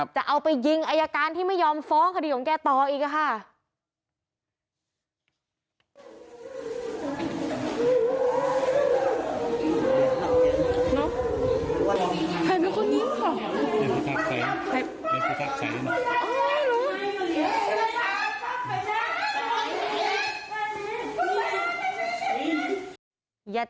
จะเอาไปยิงอายการที่ไม่ยอมฟ้องคดีของแกต่ออีกค่ะ